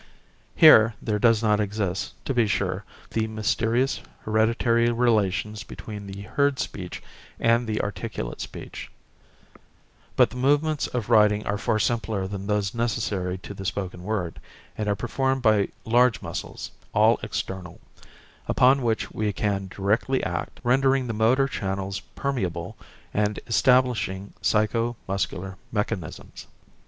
Here there does not exist, to be sure, the mysterious hereditary relations between the heard speech and the articulate speech; but the movements of writing are far simpler than those necessary to the spoken word, and are performed by large muscles, all external, upon which we can directly act, rendering the motor channels permeable, and establishing psycho muscular mechanisms.